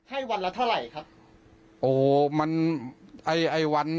ให้วันละเท่าไหร่ครับ